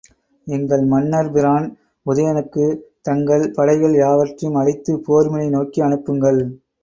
எங்கள் மன்னர் பிரான் உதயணனுக்குத் தங்கள் படைகள் யாவற்றையும் அளித்துப் போர்முனை நோக்கி அனுப்புங்கள்.